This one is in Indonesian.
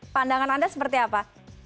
pandangan anda seperti apa